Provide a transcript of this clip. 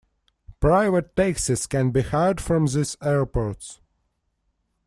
Private taxis can be hired from these airports.